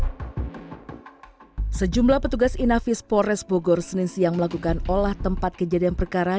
hai sejumlah petugas inafis pores bogor senin siang melakukan olah tempat kejadian perkara